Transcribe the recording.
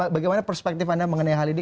bagaimana perspektif anda mengenai hal ini